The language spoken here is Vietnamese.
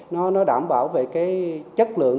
nó đảm bảo về cái chất lượng